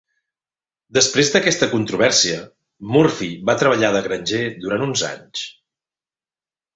Després d'aquesta controvèrsia, Murphy va treballar de granger durant uns anys.